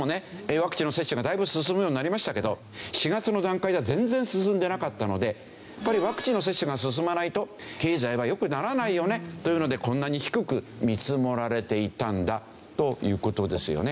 ワクチンの接種がだいぶ進むようになりましたけど４月の段階では全然進んでなかったのでやっぱりワクチンの接種が進まないと経済は良くならないよねというのでこんなに低く見積もられていたんだという事ですよね。